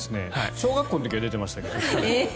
小学校の時は出てましたけど。